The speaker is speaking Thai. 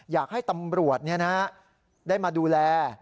อยากให้ตำรวจเนี่ยนะฮะได้มาดูแล